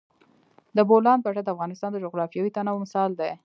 د بولان پټي د افغانستان د جغرافیوي تنوع مثال دی.